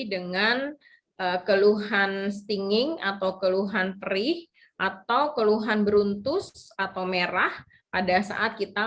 dengan keluhan stinging atau keluhan perih atau keluhan beruntus atau merah pada saat kita